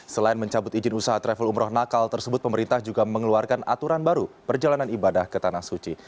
selain mencabut izin usaha travel umroh nakal tersebut pemerintah juga mengeluarkan aturan baru perjalanan ibadah ke tanah suci